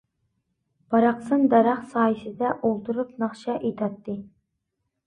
باراقسان دەرەخ سايىسىدە ئولتۇرۇپ ناخشا ئېيتاتتى.